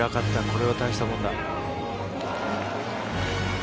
これは大したもんだ。